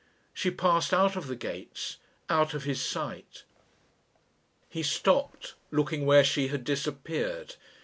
She passed out of the gates, out of his sight. He stopped, looking where she had disappeared.